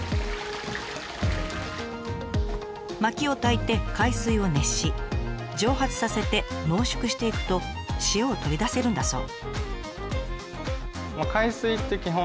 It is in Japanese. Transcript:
薪をたいて海水を熱し蒸発させて濃縮していくと塩を取り出せるんだそう。